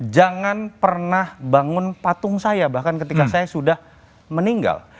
jangan pernah bangun patung saya bahkan ketika saya sudah meninggal